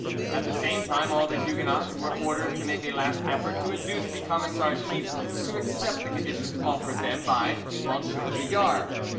At the same time all the Huguenots were ordered to make a last effort to induce the Camisard chiefs to accept the conditions offered them by M. de Villars.